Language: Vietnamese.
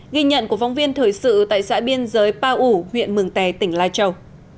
ghi nhận của phóng viên thời sự tại xã biên giới pa ủ huyện mường tè tỉnh lai châu